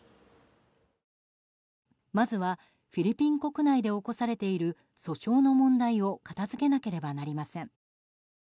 まずはフィリピン国内で起こされている訴訟の問題を片付けなければなりません。